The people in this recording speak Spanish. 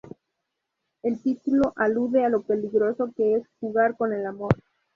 El título alude a lo peligroso que es jugar con el amor.